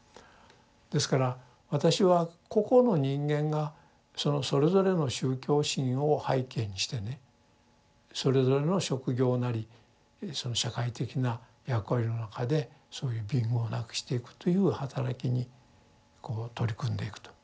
ですから私は個々の人間がそのそれぞれの宗教心を背景にしてねそれぞれの職業なりその社会的な役割の中でそういう貧苦をなくしていくというはたらきにこう取り組んでいくと。